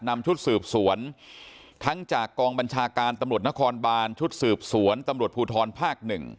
นำชุดสืบสวนทั้งจากกองบัญชาการตำรวจนครบานชุดสืบสวนตำรวจภูทรภาค๑